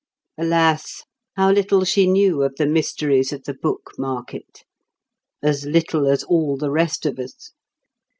Alas, how little she knew of the mysteries of the book market! As little as all the rest of us.